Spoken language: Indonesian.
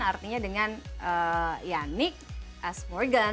artinya dengan ya nick as morgan